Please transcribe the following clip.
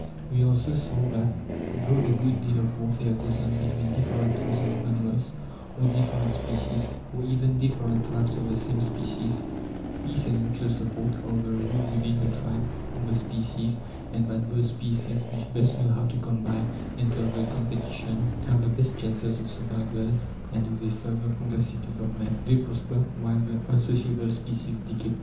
We also saw that, though a good deal of warfare goes on between different classes of animals, or different species, or even different tribes of the same species, peace and mutual support are the rule within the tribe or the species; and that those species which best know how to combine, and to avoid competition, have the best chances of survival and of a further progressive development. They prosper, while the unsociable species decay.